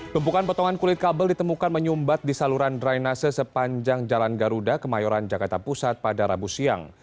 tumpukan potongan kulit kabel ditemukan menyumbat di saluran drainase sepanjang jalan garuda kemayoran jakarta pusat pada rabu siang